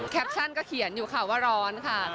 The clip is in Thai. แคปชั่นก็เขียนอยู่ค่ะว่าร้อนค่ะ